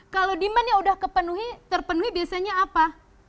kalau demandnya udah terpenuhi biasanya apa